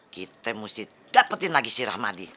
kita mesti dapetin lagi si rahmadi